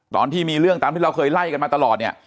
ตอนที่มีเรื่องตามที่เราเคยไล่กันมาตลอดเนี่ย